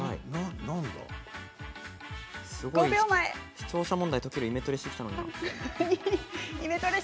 視聴者問題を解けるイメトレしてきたのに。